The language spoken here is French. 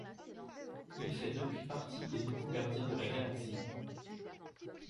Il fait depuis partie des nouveaux Gardiens de la Galaxie.